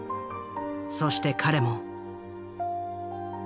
そして彼も。